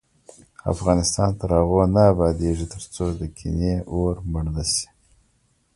افغانستان تر هغو نه ابادیږي، ترڅو د کینې اور مړ نشي.